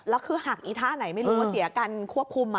แล้วคือหักอีท่าไหนไม่รู้ว่าเสียการควบคุม